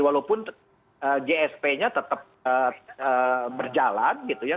walaupun gsp nya tetap berjalan gitu ya